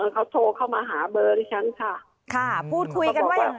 ครับโทรเข้ามาหาเบอร์เลยครับ